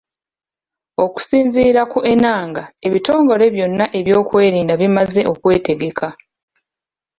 Okusinziira ku Enanga, ebitongole byonna eby'ebyokwerinda bimaze okwetegeka